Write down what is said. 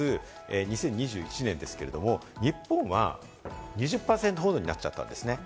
２０２１年ですけれども、日本は２０％ほどになっちゃったんですね。